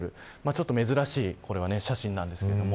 ちょっと珍しい写真です。